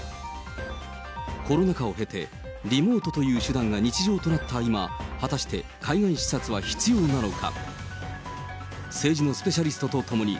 コロナ禍を経て、リモートという手段が日常となった今、果たして海外視察は必要なのか。